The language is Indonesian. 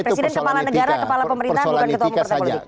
presiden kepala negara kepala pemerintahan bukan ketua umum partai politik